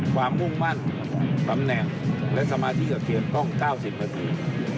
มุ่งมั่นตำแหน่งและสมาธิสะเทียนต้อง๙๐นาที